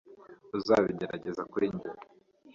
Uzabigerageza kuri njye